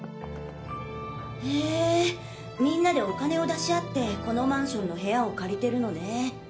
へぇみんなでお金を出し合ってこのマンションの部屋を借りてるのね。